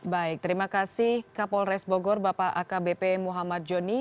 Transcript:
baik terima kasih kapolres bogor bapak akbp muhammad joni